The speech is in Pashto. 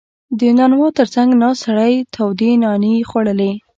• د نانوا تر څنګ ناست سړی تودې نانې خوړلې.